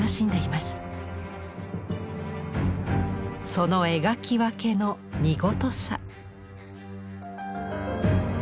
その描き分けの見事さ。